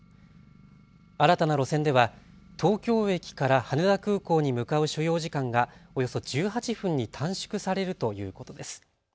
新たな路線では東京駅から羽田空港に向かう所要時間がおよそ１８分に短縮されるということです。